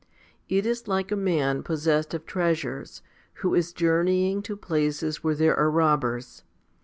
It is like a man possessed of treasures, who is journeying to places where there are robbers.